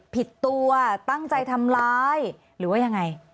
ผิดตัวตั้งใจทำร้ายหรือว่ายังไง